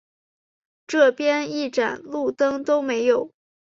这边一盏路灯都没有